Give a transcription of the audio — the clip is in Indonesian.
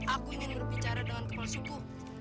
aku ingin berbicara dengan kepala suku